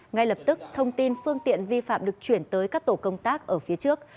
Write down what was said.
ngay lập tức thông tin phương tiện vi phạm được chuyển tới các tổ công tác ở phía trước